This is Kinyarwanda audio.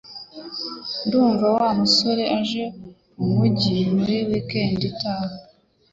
Ndumva Wa musore aje mumujyi muri weekend itaha